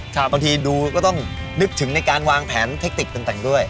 บางทีดูก็ต้องนึกถึงในการวางแผนเทคติกต่างด้วย